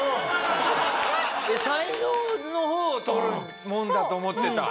えっ才能の方を取るもんだと思ってた。